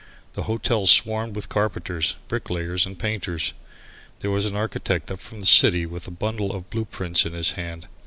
The hotel swarmed with carpenters, bricklayers and painters. There was an architect up from the city with a bundle of blue prints in his hand.